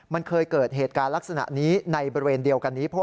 มันเคยเกิดเหตุการณ์ลักษณะนี้ในบริเวณเดียวกันนี้